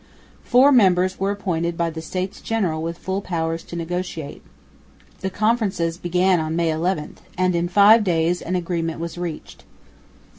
Four members were appointed by the States General with full powers to negotiate. The conferences began on May 11; and in five days an agreement was reached.